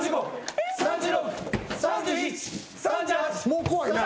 もう怖いな。